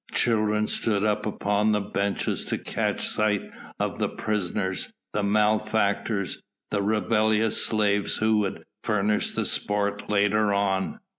Children stood up upon the benches to catch sight of the prisoners, the malefactors, the rebellious slaves who would furnish the sport later on.